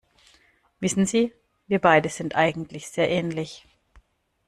Wissen Sie, wir beide sind eigentlich sehr ähnlich.